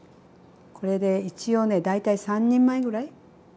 これで一応ね大体３人前ぐらい。